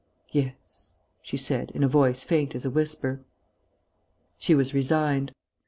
"Yes," she said, in a voice faint as a whisper. She was resigned.